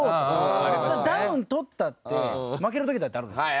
ダウン取ったって負ける時だってあるんですよ。